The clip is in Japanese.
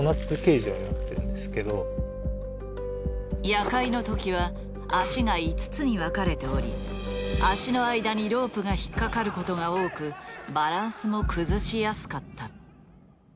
夜会の時は脚が５つに分かれており脚の間にロープが引っ掛かることが多くバランスも崩しやすかった。